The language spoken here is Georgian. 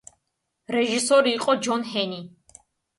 რეჟისორი იყო ჯონ ჰენი.